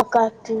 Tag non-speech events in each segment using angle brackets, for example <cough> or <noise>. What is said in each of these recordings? କକାତି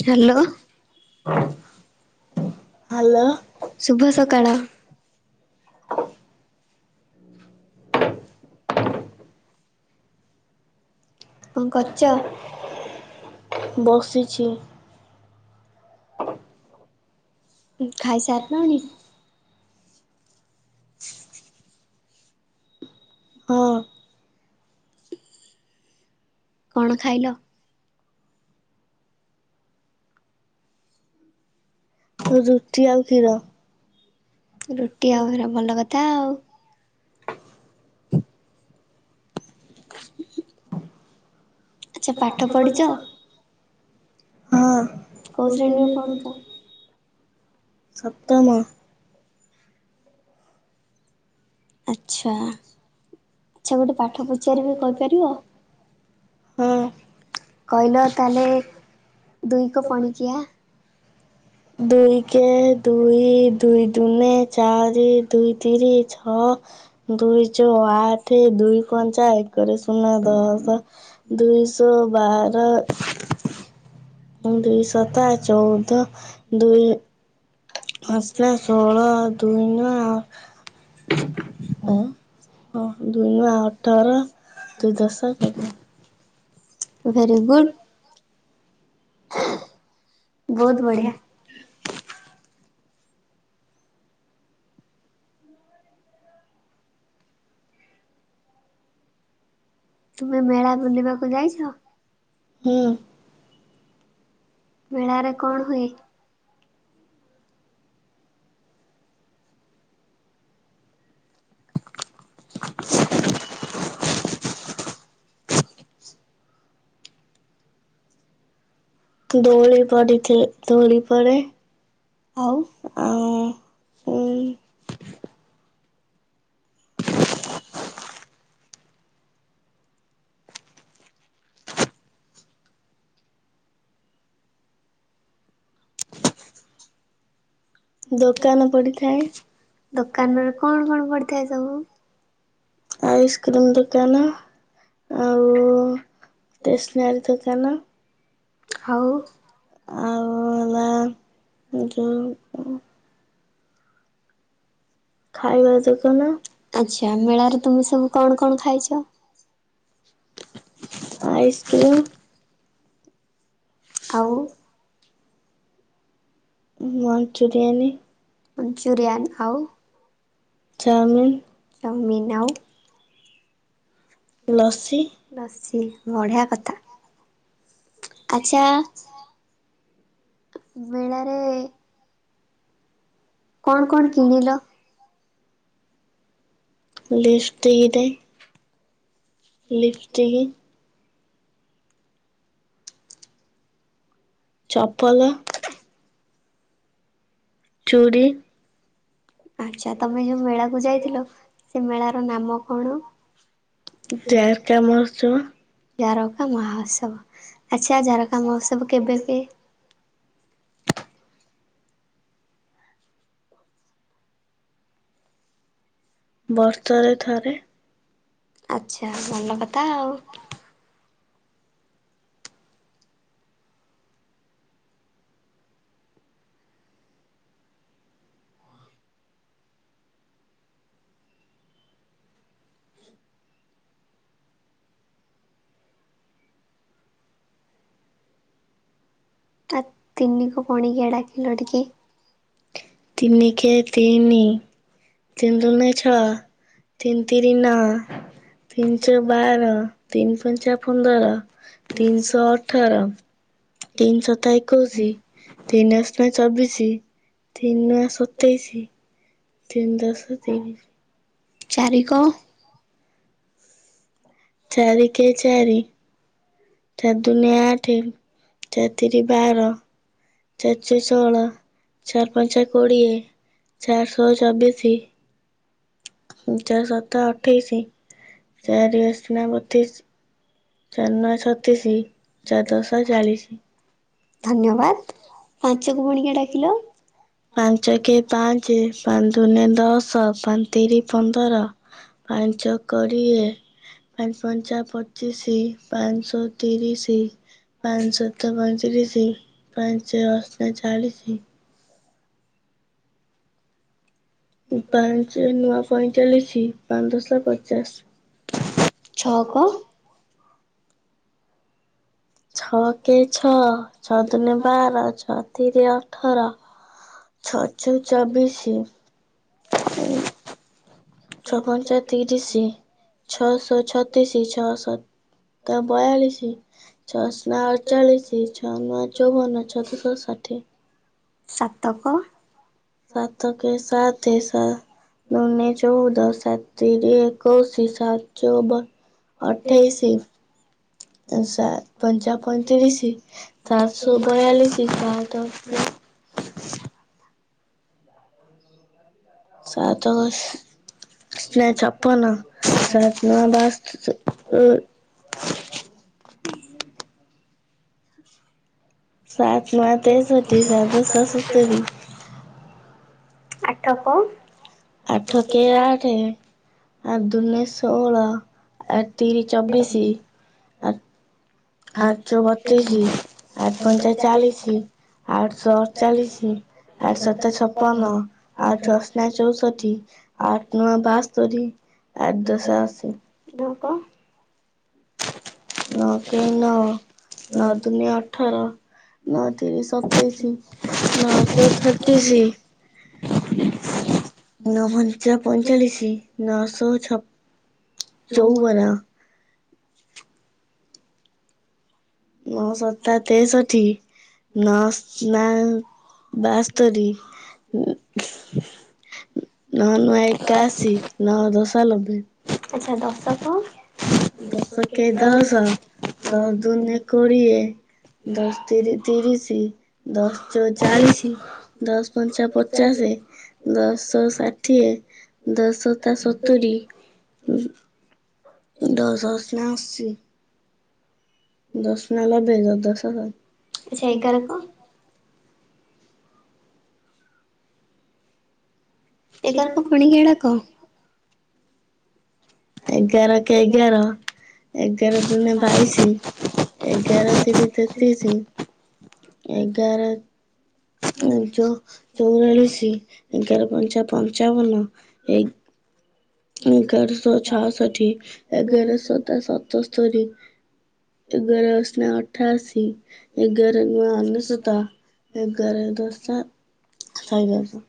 hello. ଶୁଭ ସକାଳ। କଁ କରଚ? ବସିଛି। ଖାଇ ସାରିଲଣି? ହଁ। କଣ ଖାଇଲ? ରୁଟି ଆଉ କ୍ଷୀର। ରୁଟି ଆଉରା ଭଲ କଥା ଆଉ। ପାଠ ପଢ଼ୁଛ? ହଁ <unintelligible> ସପ୍ତମ। ଆଚ୍ଛା ଆଚ୍ଛା ଗୋଟେ ପାଠ ପଚାରିବି କହିପାରିବ? କହିଲ ତାହେଲେ ଦୁଇକ ପଣିକିଆ। ଦୁଇ କେ ଦୁଇ, ଦୁଇ ଦୁନେ ଚାରି, ଦୁଇ ତିରି ଛଅ। ଦୁଇ ଚଉକୁ ଆଠ, ଦୁଇ ପଞ୍ଚା ଏକରେ ଶୂନ ଦଶ। ଦୁଇ ଶଉ ବାର। ଦୁଇ ଶତା ଚଉଦ, ଦୁଇ ଅଷ୍ଟା ଷୋହଳ, ଦୁଇ ନୁଆ ହଁ ଦୁଇ ନୁଆ ଅଠର, ଦୁଇ ଦଶା କୋଡିଏ। Very good. ବହୁତ ବଢିଆ। ତୁମେ ମେଳା ବୁଲିବାକୁ ଯାଇଛ? ହୁଁ। ମେଳାରେ କଣ ହୁଏ? <inaudible> ଆଉ। ହୁଁ। <inaudible> ଦୋକାନ ଦୋକାନରେ କଣ କଣ ପଡିଥାଏ ସବୁ? ଆଇସ୍କ୍ରିମ୍ ଦୋକାନ ଆଉ ଷ୍ଟେସନାରୀ ଦୋକାନ। ହଉ। ଆଉ ହେଲା ଯୋଉ। ଆଚ୍ଛା ମେଳାରେ ତୁମେ ସବୁ କଣ କଣ ଖାଇଛ? ଆଇସକ୍ରିମ୍। ଆଉ। ମଞ୍ଚୁରିଆନ୍ ଖାଉ। ଚାଓମିିନ୍ ଆଉ। ଲସି। ଲସି ବଢିଆ କଥା। ଆଚ୍ଛା ମେଳାରେ। କଣ କଣ କିଣିଲ? ଲିଷ୍ଟିକଟେ ଲିପଷ୍ଟିକି। ଚପଲ। ଚୁଡି। ଆଚ୍ଛା ତମେ ଯୋଉ ମେଳାକୁ ଯାଇଥିଲ ସେ ମେଳାର ନାମ କଣ? ଜାରକା ମହୋତ୍ସବ। ଜାରକା ମହୋତ୍ସବ ଆଚ୍ଛା ଜାରକା ମହୋତ୍ସବ କେବେ କେ? ବର୍ଷରେ ଥରେ ଆଚ୍ଛା। <unintelligible> ଆ ତିନିକ ପଣିକିଆ ଡାକିଲ ଟିକେ। ତିନି କେ ତିନି। ତିନ ଦୁଗୁଣେ ଛ ତିନ ତିରି ନଅ। ତିନି ଚଉ ବାର ତିନି ପଞ୍ଚା ପନ୍ଦର। ତିନ ଶୋ ଅଠର ତିନ ଶତା ଏକୋଉଶି। ତିନି ଅଷ୍ଟନା ଚବିଶି ତିନ ନୁଆ ସତେଇଶି। ତିନ ଦଶା ତିରିଶି। ଚାରି କ? ଚାରି କେ ଚାରି। ଚାରି ଦୁଗୁଣେ ଆଠେ ଚାର ତିରି ବାର। ଚାର ଚୋଉ ଷୋହଳ ଚାର ପଞ୍ଚା କୋଡ଼ିଏ। ଚାର ଶୋ ଚବିଶି। ଉଁ ଚାରି ସତା ଅଠେଇଶି ଚାରି ଅଷ୍ଟନା ବତିିଶି। ଚାର ନୂଆଁ ଛତିଶି ଚାର ଦଶା ଚାଳିଶି। ଧନ୍ୟବାଦ ପାଞ୍ଚକ ପଣିକିଆ ଡାକିଲ? ପାଞ୍ଚ କେ ପାଞ୍ଚେ ପାଞ୍ଚ ଦୁଗୁଣେ ଦଶ ପାଞ୍ଚ ତିରି ପନ୍ଦର। ପାଞ୍ଚ ଚୋଉ କୋଡ଼ିଏ। ପାଞ୍ଚପଞ୍ଚା ପଚିଶି ପାଞ୍ଚଶୋ ତିରିଶି ପାଞ୍ଚଶତାପଇଁତିରିଶି ପାଞ୍ଚ ଅସ୍ନା ଚାଳିଶି ପାଞ୍ଚ ନୂଆଁ ପଇଁଚାଳିଶି ପାଞ୍ଚ ଦଶା ପଚାଶ। ଛଅ କ? ଛଅ କେ ଛଅ, ଛଦୁନେ ବାର, ଛଅ ତିରି ଅଠର ଛ ଚଉ ଚବିଶି ଛପଞ୍ଚା ତିରିଶ, ଛଶୋ ଛତିଶ, ଛ ଶ ତା ବୟାଳିଶି ଛଅସ୍ନା ଅଡଚାଳିଶି, ଛଅ ନୂଆଁ ଚଉବନ, ଛଦଶା ଷାଠିଏ। ସାତକ? ସାତ କେ ସାତେ ସା ଦୁନେଚଉଦ, ସାତତିରି ଏକୋଇଶି, ସାତ ଚଉ ବ ଅଠେଇଶି ସା ପଞ୍ଚା ପଇଁତିରିଶି, ସାତଶେ ବୟାଳିଶି, ସାତ ଅସ୍ନା ସାତ ଅଶ ଛପନ ସାତନୁଆଁ ବାସ୍ତ ଅ ସାତ ନୂଆଁ ତେଷଠି, ସାତ ଦଶା ସତୁରୀ। ଆଠକ? ଆଠ କେ ଆଠେ ଆଠ ଦୁନେ ଷୋହଳ, ଆଠ ତିରିି ଚବିଶି ଆଠ ଚୋଉ ବତିଶି, ଆଠ ପଞ୍ଚା ଚାଳିଶି, ଆଠ ଶୋ ଅଠଚାଳିଶି ଆଠ ଶତା ଛପ, ନ ଆଠ ଅସ୍ନା ଚଉଷଠି ଆଠ ନୂଆଁ ବାସ୍ତରି, ଆଠ ଦଶା ଅଶି। ନ କ? ନଅ କେ ନଅ ନ ଦୁନେ ଅଠର, ନ ତିରି ସତେଇଶି ନ ଚଉ ଛତିଶି <inaudible> ନପଞ୍ଚା ପଇଁଚାଳିଶି, ନ ଶୋ ଛପ ଚଉବନ ନ ସତା ତେଷଠି ନ ଆସ୍ନା ବାସ୍ତରୀ ନ ନୂଆଁ ଏକାଅଶି, ନ ଦଶା ନବେ। ଦଶ କେ ଦଶ ଦଶ ଦୁନେ କୋଡିଏ ଦଶ ତିରି ତିରିଶି, ଦଶ ଚଉ ଚାଳିଶି ଦଶ ପଞ୍ଚା ପଚାଶେ ଦଶଶୋ ଷାଠିଏ, ଦଶ ଶତା ସତୁୁରୀ ଦଶ ଅସ୍ନା ଅଶୀ ଦଶ ନୁଆଁ ଲବେ, ଦଶ ଦଶା ଶହେ। ଏଗାର? ଏଗାରକ ପଣିକିଆ ଡ଼ାକ। ଏଗାର କେ ଏଗାର, ଏଗାର ଦୁନେ ବାଇଶି। ଏଗାର ତିରିି ତେତିଶି, ଏଗାର ଯୋଉ-ଚଉରାଳିଶି, ଏଗାର ପଞ୍ଚା ପଞ୍ଚାବନ, ଏ ଏଗାର ଶୋ ଛଅଷଠି, ଏଗାର ସତା ସତସ୍ତରୀ। ଏଗାର ଅସ୍ନା ଅଠାଅଶୀ, ଏଗାର ନୂଆ ଅନେସୋତ। ଏଗାର ଦଶା ଶହେ ଦଶ।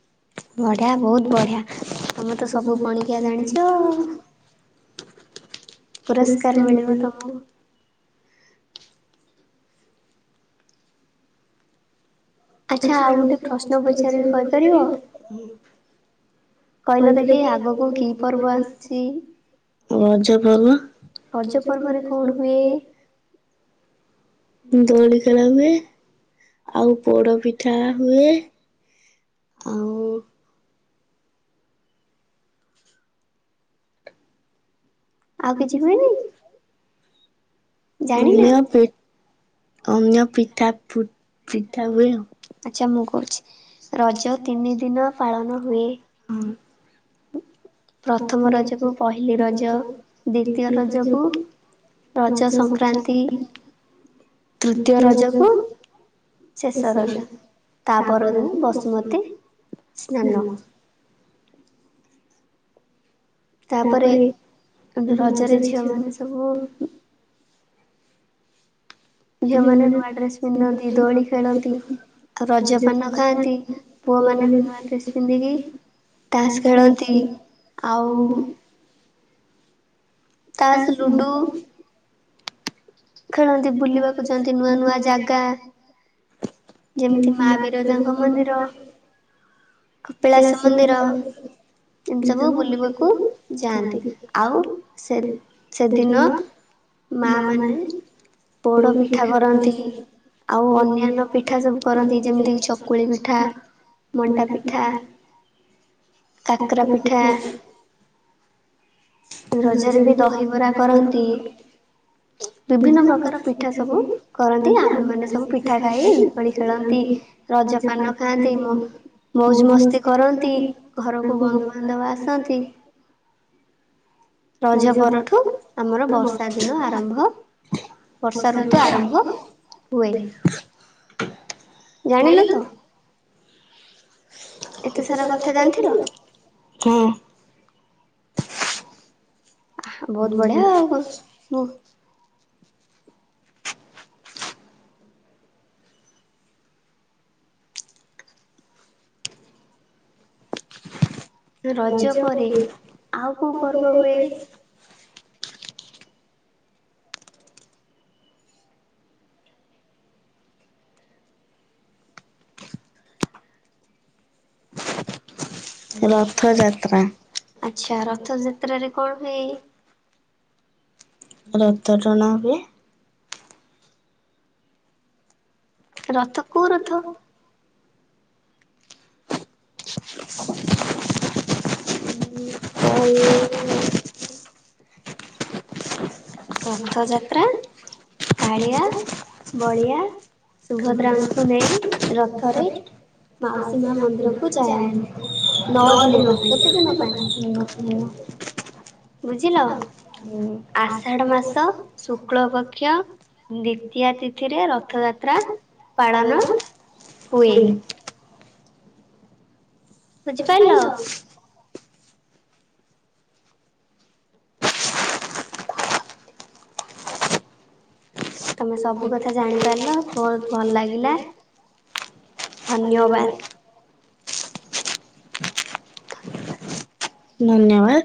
ବଢ଼ି ଆମ୍ ବହୁତ୍ ବଢ଼ି <unintelligible> ପୁରସ୍କାର ମିଳିବ <unintelligible> ଆଚ୍ଛା ଆଉ ଗୋଟେ ପ୍ରଶ୍ନ ପଚାରିବି କହିପାରିବ? କହିଲ ଦେଖି ଆଗକୁ କେଉଁ ପର୍ବ ଆସୁଛି? ରଜ ପର୍ବ <unintelligible> ଉଁ ଦୋଳି ଖେଳା ହୁଏ। ଆଉ ପୋଡ଼ ପିଠା ହୁଏ ଆଉ ଆଉ କିଛି ହୁଏନି? ନ୍ୟନ୍ୟ ପିଠ୍-ଅନ୍ୟ ପିଠା ଫୁ ପିଠା ହୁଏ ଆଉ। ଆଚ୍ଛା ମୁଁ କହୁଛି ରଜ ତିନି ଦିନ ପାଳନ ହୁଏ। ହୁଁ। ପ୍ରଥମ ରଜକୁ ପହିଲି ରଜ ଦ୍ଵିତୀୟ ରଜକୁ ରଜ ସଂକ୍ରାନ୍ତି ତୃତୀୟ ରଜକୁ ଶେଷ ରଜ ତା ପରଦିନ ବସୁମତୀ ସ୍ନାନ। ତାପରେ ଏମତି ରଜରେ ଝିଅମାନେ ସବୁ ଝିଅମାନେ ନୂଆ ଡ୍ରେସ୍ ପିନ୍ଧନ୍ତି ଦୋଳି ଖେଳନ୍ତି ଆଉ ରଜପାନ ଖାଆନ୍ତି ପୁଅମାନେ ବି ନୂଆ ଡ୍ରେସ୍ ପିନ୍ଧିକି ତାସ ଖେଳନ୍ତି ଆଉ ତାସ୍ ଲୁଡୁ ଖେଳନ୍ତି ବୁଲିବାକୁ ଯାଆନ୍ତି ନୂଆ ନୂଆ ଜାଗା ଯେମିତି ମା ବିରଜାଙ୍କ ମନ୍ଦିର କପିଳାସ ମନ୍ଦିର ଏମତି ସବୁ ବୁଲିବାକୁ ଯାଆନ୍ତି ଆଉ ସେ ସେଦିନ ମା ମାନେ ପୋଡ଼ ପିଠା କରନ୍ତି। ଆଉ ଅନ୍ୟାନ୍ୟ ପିଠା ସବୁ କରନ୍ତି, ଯେମିତିକି ଚକୁଳି ପିଠା, ମଣ୍ଡା ପିଠା କାକରା ପିଠା ରଜରେ ବି ଦହିବରା କରନ୍ତି। ବିଭିନ୍ନ ପ୍ରକାର ପିଠା ସବୁ କରନ୍ତି। ଆମ୍ଭେମାନେ ସବୁ ପିଠା ଖାଇ ଦୋଳି ଖେଳନ୍ତି। ରଜପାନ ଖାଆନ୍ତି ମ ମୌଜ ମସ୍ତି କରନ୍ତି ଘରକୁ ବନ୍ଧୁବାନ୍ଧବ ଆସନ୍ତି। ରଜ ପରଠୁ ଆମର ବର୍ଷା ଦିନ ଆରମ୍ଭ। ବର୍ଷା ଋତୁ ଆରମ୍ଭ ହୁଏ ଜାଣିଲ ତ? ଏତେ ସାରା କଥା ଜାଣିଥିଲ? ହଁ। ବହୁତ୍ ବଢି଼ଆ ଆଉ କଣ ଉଁ ରଜ ପରି ଆଉ କଣ କଣ ହୁଏ କହିଲ? ଆଚ୍ଛା ରଥଯା ଯାତ୍ରାରେ କଣ ହୁଏ? ରଥ ଟଣା ହୁଏ। ରଥ କୋଉ ରଥ? କା <unintelligible> ରଥଯାତ୍ରା, କାଳିଆ, ବଳିଆ ସୁଭଦ୍ରା <unintelligible> ରଥରେ ମାଉସୀ ମାଙ୍କ ମନ୍ଦିରଙ୍କୁ ଯାଆନ୍ତି ନଅ ଦିନ ପାଇଁ କେତେ ଦିନ ପାଇଁ ଇଁ ନ ହୁଁ। ବୁଝିଲ? ଆଷାଢ଼ ମାସ ଶୁକ୍ଳ ପକ୍ଷ ଦ୍ଵିତୀୟା ତିଥିରେ ରଥଯାତ୍ରା ପାଳନ ହୁଏ। ବୁଝିପାଇଲ? ସ ତମେ ସବୁ କଥା ଜାଣିପାରିଲ ବହୁତ ଭଲ ଲାଗିଲା ଧନ୍ୟବାଦ। ଧନ୍ୟବାଦ।